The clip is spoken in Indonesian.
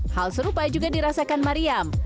hal serupa juga dirasakan mariam